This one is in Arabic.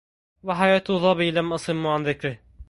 وحياة ظبي لم أصم عن ذكره